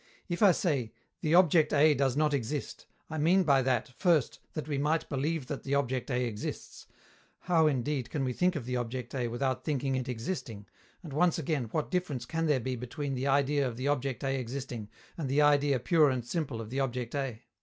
If I say, "The object A does not exist," I mean by that, first, that we might believe that the object A exists: how, indeed, can we think of the object A without thinking it existing, and, once again, what difference can there be between the idea of the object A existing and the idea pure and simple of the object A?